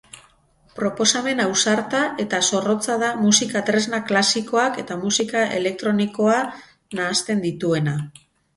Proposamen ausarta eta zorrotza da musika-tresna klasikoak eta musika elektronikoa nahasten dituena.